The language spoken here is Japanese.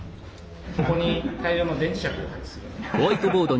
ここに大量の電磁石を配置する。